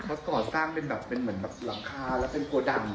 เขาก็สร้างเป็นแบบเหมือนหลังคาและเป็นโกดัง